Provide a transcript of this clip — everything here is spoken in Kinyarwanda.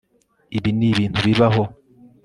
Ibi nibintu bibaho